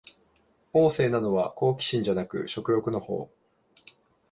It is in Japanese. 旺盛なのは好奇心じゃなく食欲のほう